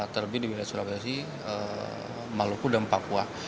terlebih di wilayah sulawesi maluku dan papua